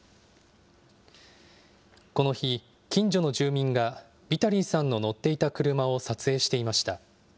この日、近所の住民が、ビタリーさんの乗っていた車を撮影していました。